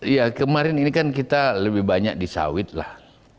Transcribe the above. ya kemarin ini kan kita lebih banyak disawit lah